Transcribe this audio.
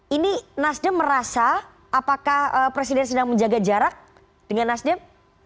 ini nasdem merasa apakah presiden sedang menjaga jarak dengan nasdem